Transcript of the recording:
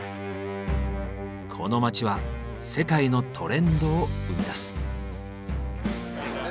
この街は世界のトレンドを生み出す。